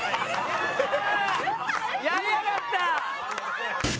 やりやがった！